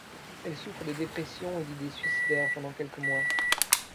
Elle souffre de dépression et d'idée suicidaires pendant quelques mois.